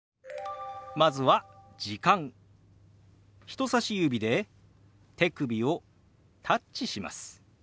人さし指で手首をタッチします。